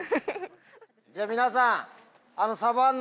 じゃあ皆さん。